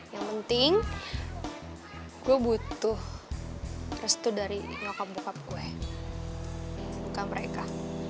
yang penting gue butuh restu dari nyokap bokap gue bukan mereka